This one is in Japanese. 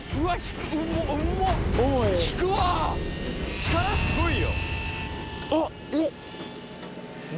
力すごいよ。